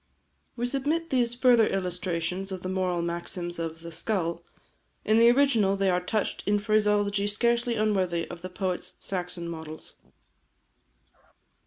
We submit these further illustrations of the moral maxims of "The Skull." In the original they are touched in phraseology scarcely unworthy of the poet's Saxon models.